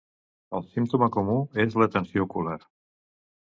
El símptoma comú és la tensió ocular.